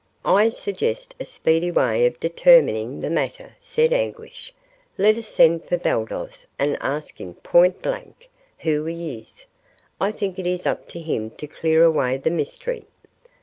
"I suggest a speedy way of determining the matter," said Anguish. "Let us send for Baldos and ask him point blank who he is. I think it is up to him to clear away the mystery."